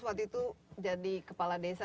waktu itu jadi kepala desa